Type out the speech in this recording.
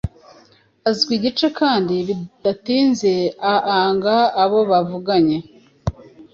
Azwi igice, kandi bidatinze aanga abo bavuganye